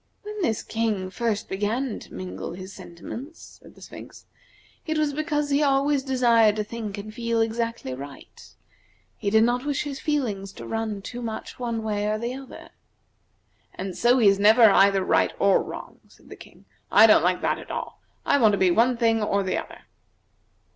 "When this King first began to mingle his sentiments," said the Sphinx, "it was because he always desired to think and feel exactly right. He did not wish his feelings to run too much one way or the other." "And so he is never either right or wrong," said the King. "I don't like that, at all. I want to be one thing or the other."